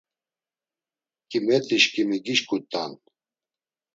Ǩimet̆işkimi gişǩut̆an.